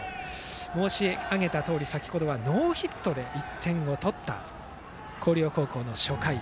申し上げたとおり先程はノーヒットで１点取った広陵高校の初回。